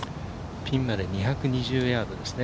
ピンまで２２０ヤードです。